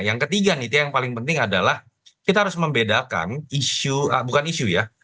yang ketiga nih yang paling penting adalah kita harus membedakan isu bukan isu ya